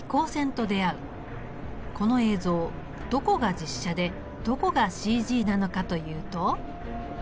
この映像どこが実写でどこがＣＧなのかというと。